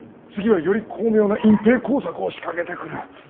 次はより巧妙な隠蔽工作を仕掛けてくる。